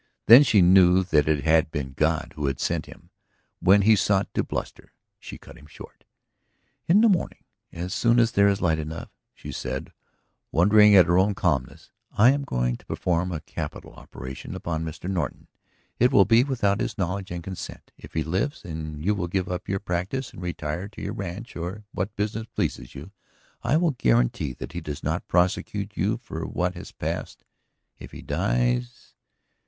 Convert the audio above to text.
Then she knew that it had been God who had sent him. When he sought to bluster, she cut him short. "In the morning, as soon as there is light enough," she said, wondering at her own calmness, "I am going to perform a capital operation upon Mr. Norton. It will be without his knowledge and consent. If he lives and you will give up your practice and retire to your ranch or what business pleases you, I will guarantee that he does not prosecute you for what has passed. If he dies